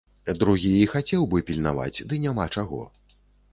Другі і хацеў бы пільнаваць, ды няма чаго.